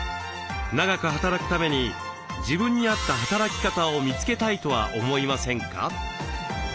長く働くために自分に合った働き方を見つけたいとは思いませんか？